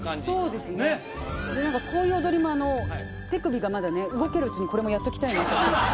で何かこういう踊りも手首がまだね動けるうちにこれもやっときたいなと思いました